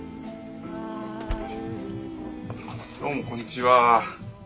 どうもこんにちは。